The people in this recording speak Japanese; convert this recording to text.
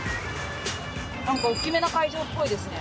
何か大きめな会場っぽいですね